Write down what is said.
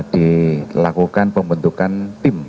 dilakukan pembentukan tim